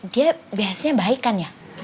dia biasanya baik kan ya